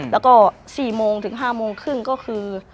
แล้วก็๔โมงถึง๕โมงครึ่งก็คือ